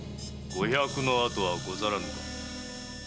五百のあとはござらぬか？